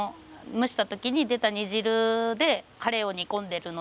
蒸した時に出た煮汁でカレーを煮込んでいます。